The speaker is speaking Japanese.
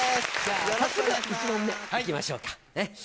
では１問目、いきましょうか。